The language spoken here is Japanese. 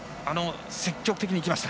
積極的にいきました。